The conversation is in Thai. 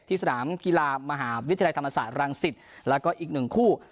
สนามกีฬามหาวิทยาลัยธรรมศาสตร์รังสิตแล้วก็อีกหนึ่งคู่